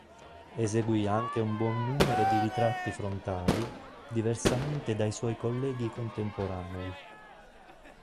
Eseguì anche un buon numero di ritratti frontali, diversamente dai suoi colleghi contemporanei.